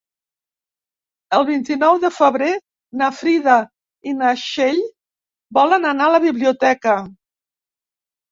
El vint-i-nou de febrer na Frida i na Txell volen anar a la biblioteca.